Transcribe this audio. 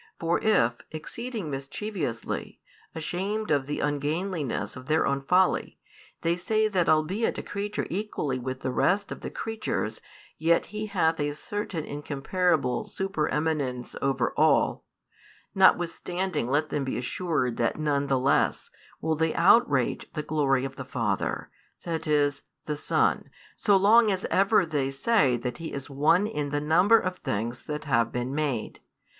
For if, exceeding mischievously, ashamed of the ungainliness of their own folly, they say that albeit a creature equally with the rest of the creatures yet He hath a certain incomparable supereminence over all; notwithstanding let them be assured that none the less will they outrage the glory of the Father, that is, the Son, so long as ever they say that He is one in the number of the things that have been made.